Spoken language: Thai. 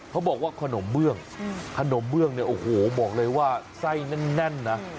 เขาบอกว่าขนมเบื้องขนมเบื้องเนี่ยโอ้โหบอกเลยว่าไส้แน่นนะ